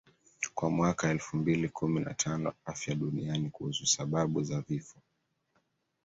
Kwa mwaka elfu mbili kumi na tano Afya duniani kuhusu sababu za vifo